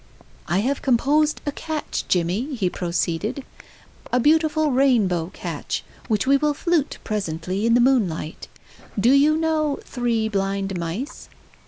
"I have composed a catch, Jimmy," he proceeded, "a beautiful rainbow catch, which we will flute presently in the moonlight. Do you know 'Three Blind Mice'?"